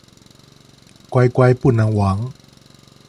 乖乖不能亡